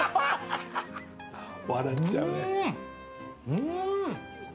うん！